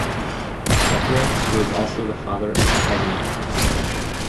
Bebryx was also the father of Pyrene.